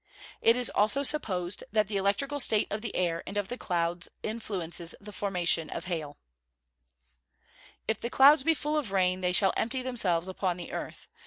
It is also supposed that the electrical state of the air and of the clouds influences the formation of hail. [Verse: "If the clouds be full of rain, they shall empty themselves upon the earth."